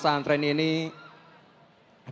danah yang berharga dan kemampuan